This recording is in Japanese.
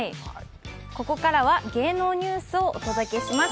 ここからは芸能ニュースをお届けします。